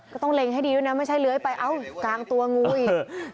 ต้องเล็งให้ดีด้วยนะไม่ใช่เลื้อยไปเอ้ากลางตัวงูอีก